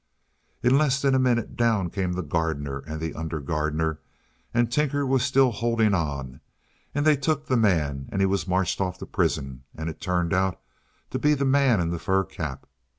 In less than a minute down came the gardener and the under gardener: and Tinker was still holding on, and they took the man, and he was marched off to prison, and it turned out to be the man in the fur cap.